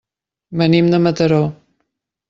Venim de Mataró.